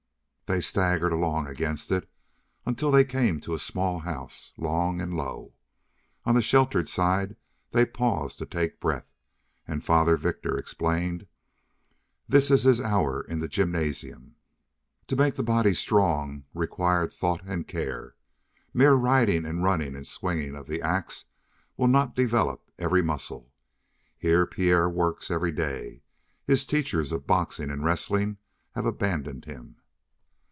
They staggered along against it until they came to a small house, long and low. On the sheltered side they paused to take breath, and Father Victor explained: "This is his hour in the gymnasium. To make the body strong required thought and care. Mere riding and running and swinging of the ax will not develop every muscle. Here Pierre works every day. His teachers of boxing and wrestling have abandoned him."